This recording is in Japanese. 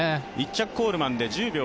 １着コールマンで１０秒１３。